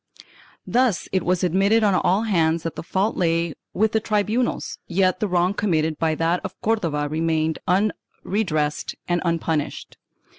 1 Thus it was admitted on all hands that the fault lay with the tribunals, yet the wrong committed by that of Cordova remained unredressed and unpunished.